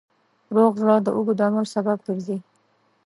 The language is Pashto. روغ زړه د اوږد عمر سبب ګرځي.